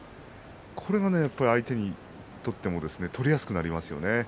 これが相手にとっては取りやすくなりますよね。